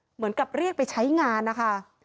เหมือนกับเรียกไปใช้งานนะคะ